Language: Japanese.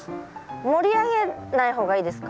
盛り上げない方がいいですか？